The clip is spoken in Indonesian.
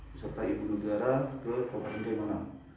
beserta ibu negara ke kompen kaimana